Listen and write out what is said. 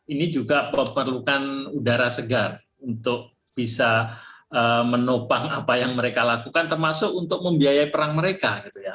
ini juga perlukan udara segar untuk bisa menopang apa yang mereka lakukan termasuk untuk membiayai perang mereka